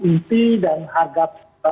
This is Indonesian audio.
inti dan harga